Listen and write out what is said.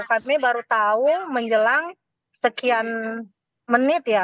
kami baru tahu menjelang sekian menit ya